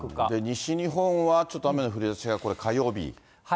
西日本はちょっと雨の降りだしが、これ、火曜日。